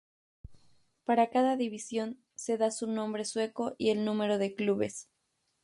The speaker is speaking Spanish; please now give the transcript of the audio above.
Para cada división, se da su nombre sueco y el número de clubes.